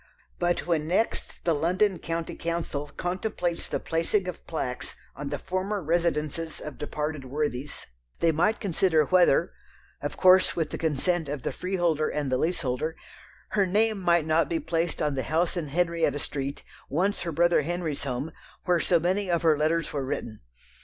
But when next the London County Council contemplates the placing of plaques on the former residences of departed worthies they might consider whether of course with the consent of the freeholder and the leaseholder her name might not be placed on the house in Henrietta Street, once her brother Henry's home, where so many of her letters were written.